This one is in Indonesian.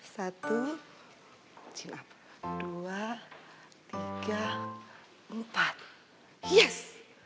satu dua tiga empat hias